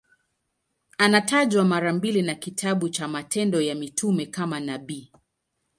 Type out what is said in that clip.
Anatajwa mara mbili na kitabu cha Matendo ya Mitume kama nabii.